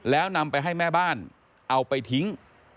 แล้วนำไปให้แม่บ้านเอาไปทิ้ง